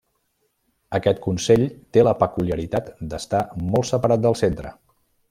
Aquest consell té la peculiaritat d'estar molt separat del centre.